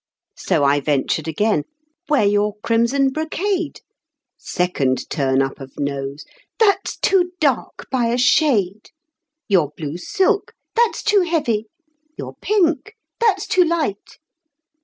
So I ventured again: "Wear your crimson brocade;" (Second turn up of nose) "That's too dark by a shade." "Your blue silk" "That's too heavy." "Your pink" "That's too light."